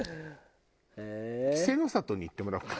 稀勢の里に行ってもらおうか。